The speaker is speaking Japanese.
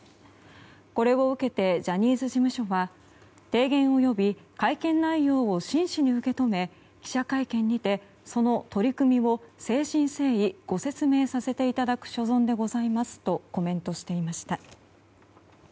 これを受けてジャニーズ事務所は提言および会見内容を真摯に受け止め記者会見にてその取り組みを誠心誠意ご説明させていただく所存でございますとコメントしていました。